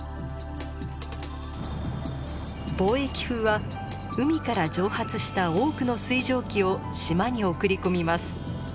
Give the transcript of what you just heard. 貿易風は海から蒸発した多くの水蒸気を島に送り込みます。